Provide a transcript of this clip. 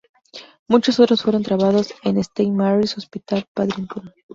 Muchos otros fueron tratados en St Mary's Hospital, Paddington.